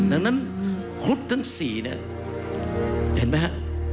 ดังนั้นคฤทธิ์ทั้ง๔เนี่ยเห็นไหมครับ